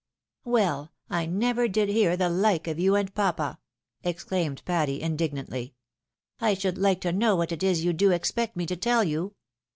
" Well ! I never did hear the like of you and papa !" ex claimed Patty, indignantly ;" I should hke to know what it is you do expect me to tell you